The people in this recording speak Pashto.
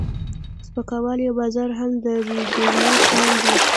سپکوالی او بازار هم درپورې خاندي.